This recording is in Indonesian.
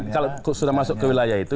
kalau sudah masuk ke wilayah itu